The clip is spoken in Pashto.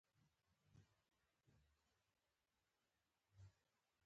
لس کم دوه بجې وې چې د سکول کار نه اوزګار شو